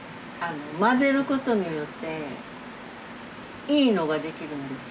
混ぜることによっていいのができるんですよ。